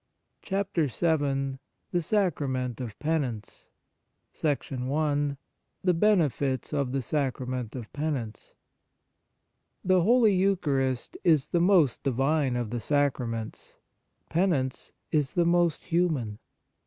CHAPTER VII THE SACRAMENT OF PENANCE I The Benefits of the Sacrament of Penance THE Holy Eucharist is the most divine of the Sacraments, Pen ance is the most human.